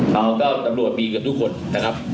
ถ้าโก้มาได้๒กล้องนี้ก็จะเห็นภาพแบบ๑๐๐